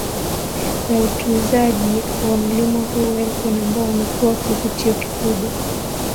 la utuzaji wa mlima huu elgon ambao umekuwa kivutio kikubwa